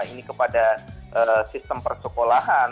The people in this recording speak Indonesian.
ini kepada sistem persekolahan